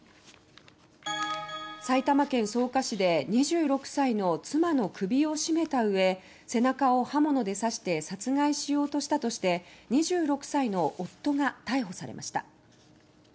埼玉県草加市で２６歳の妻の首を絞めたうえ背中を刃物で刺して殺害しようとしたとして２６歳の夫が逮捕されました。